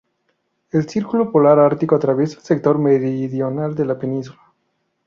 El círculo polar ártico atraviesa el sector meridional de la península.